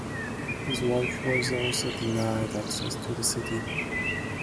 His wife was also denied access to the city.